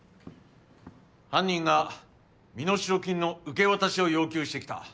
犯人が身代金の受け渡しを要求してきた。